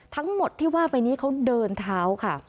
ทั้งหมดที่ว่าไปนี้เขาเดินเท้าค่ะ